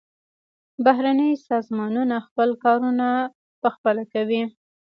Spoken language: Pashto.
بهرني سازمانونه خپل کارونه پخپله کوي.